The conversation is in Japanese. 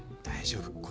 大丈夫。